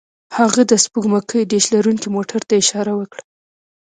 هغه د سپوږمکۍ ډیش لرونکي موټر ته اشاره وکړه